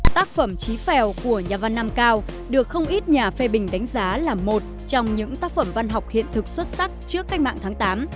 tác phẩm trí phèo của nhà văn nam cao được không ít nhà phê bình đánh giá là một trong những tác phẩm văn học hiện thực xuất sắc trước cách mạng tháng tám